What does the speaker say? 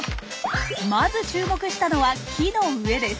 まず注目したのは木の上です。